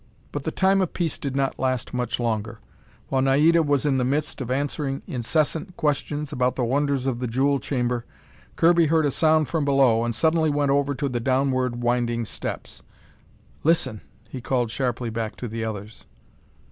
But the time of peace did not last much longer. While Naida was in the midst of answering incessant questions about the wonders of the jewel chamber, Kirby heard a sound from below, and suddenly went over to the downward winding steps. "Listen," he called sharply back to the others.